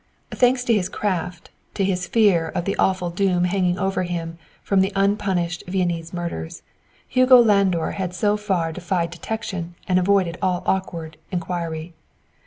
Thanks to his craft, to his fear of the awful doom hanging over him from the unpunished Viennese murders, Hugo Landor had so far defied detection and avoided all awkward inquiry.